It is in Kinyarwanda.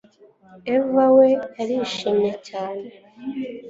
Eva we yarishimye cyane